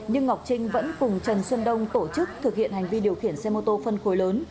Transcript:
nhưng ngọc trinh vẫn cùng trần xuân đông tổ chức thực hiện hành vi điều khiển xe mô tô phân khối lớn